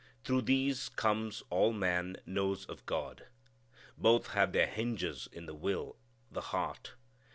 Through these comes all man knows of God. Both have their hinges in the will, the heart.